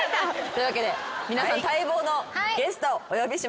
というわけで皆さん待望のゲストお呼びしましょう。